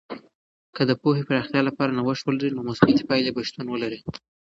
که د پوهې د پراختیا لپاره نوښت ولرئ، نو مثبتې پایلې به شتون ولري.